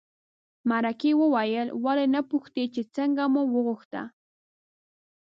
مرکې وویل ولې نه پوښتې چې څنګه مو وغوښته.